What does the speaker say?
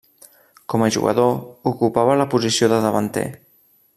Com a jugador, ocupava la posició de davanter.